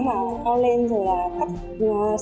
vào cao lên rồi là cắt